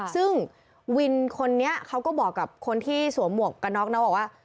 ซึ่งวินคนนี้เขาก็บอกกับคนที่สวมหมวกกันน็อกนะบอกว่า